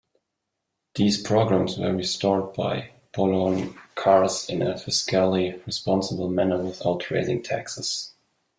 These programs were restored by Poloncarz in a fiscally responsible manner without raising taxes.